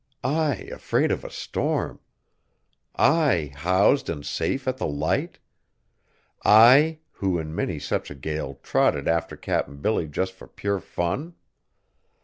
I afraid of a storm! I, housed and safe at the Light! I, who, in many such a gale, trotted after Cap'n Billy just for pure fun.